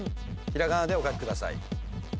平仮名でお書きください。